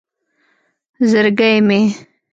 زرگی مې